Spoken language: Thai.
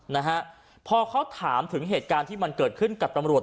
นะฮะพอเขาถามถึงเหตุการณ์ที่มันเกิดขึ้นกับตำรวจ